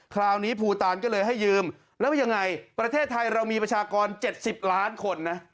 คราวนี้ภูตานก็เลยให้ยืมแล้วยังไงประเทศไทยเรามีประชากร๗๐ล้านคนนะ